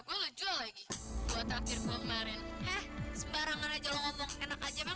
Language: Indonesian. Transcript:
gue jual lagi buat akhirnya kemarin sembarangan aja ngomong enak aja mah